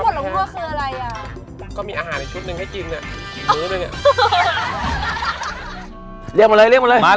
ทำไมมันกินกันเร็วจังวะทีบนั้น